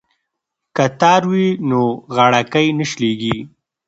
که تار وي نو غاړکۍ نه شلیږي.